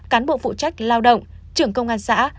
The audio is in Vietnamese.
cán bộ phụ trách lao động trưởng công an xã